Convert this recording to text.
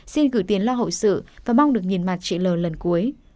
xin gửi tiền lo hậu sự và mong được nhìn mặt chị l lần cuối